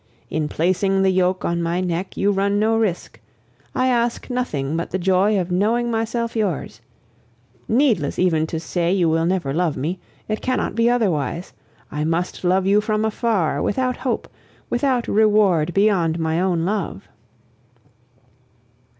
In placing the yoke on my neck, you run no risk; I ask nothing but the joy of knowing myself yours. Needless even to say you will never love me; it cannot be otherwise. I must love you from afar, without hope, without reward beyond my own love.